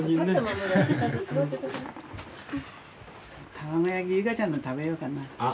卵焼き由香ちゃんの食べようかな。